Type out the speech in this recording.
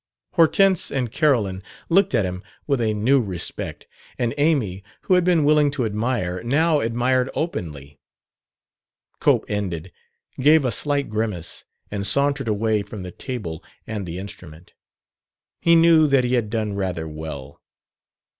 Hortense and Carolyn looked at him with a new respect; and Amy, who had been willing to admire, now admired openly. Cope ended, gave a slight grimace, and sauntered away from the table and the instrument. He knew that he had done rather well.